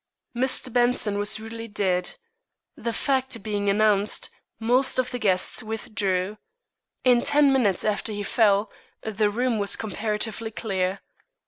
Mr. Benson was really dead. The fact being announced, most of the guests withdrew. In ten minutes after he fell, the room was comparatively clear.